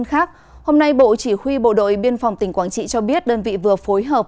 hôm nay bộ chỉ huy bộ đội biên phòng tỉnh quảng trị cho biết đơn vị vừa phối hợp